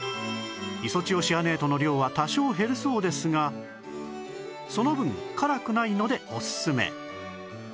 イソチオシアネートの量は多少減るそうですがその分辛くないのでオススメ